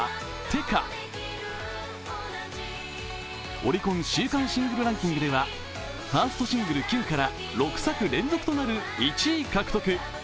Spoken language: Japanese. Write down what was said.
オリコン週間シングルランキングではファーストシングル「キュン」から６作連続となる１位獲得。